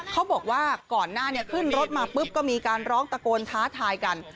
เขาบอกว่าก่อนหน้าขึ้นรถมาปุ๊บก็มีการร้องตะโกนท้าทายกัน